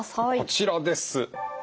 こちらです。